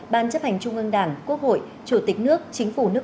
ban chấp hành trung ương đảng quốc hội chủ tịch nước chính phủ nước